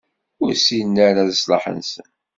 Ur ssinen ara leṣlaḥ-nsen.